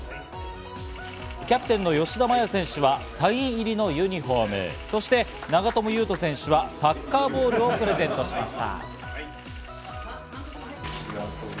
キャプテンの吉田麻也選手はサイン入りのユニホーム、そして長友佑都選手はサッカーボールをプレゼントしました。